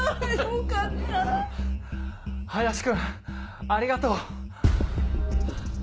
林君ありがとう。